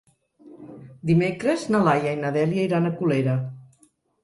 Dimecres na Laia i na Dèlia iran a Colera.